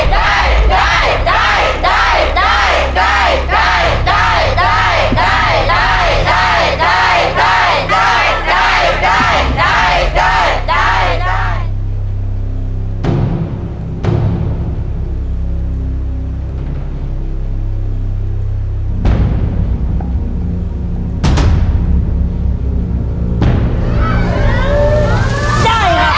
ได้หรือไม่ได้